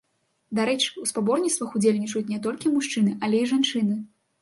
Дарэчы, у спаборніцтвах удзельнічаюць не толькі мужчыны, але і жанчыны.